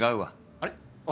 あれ？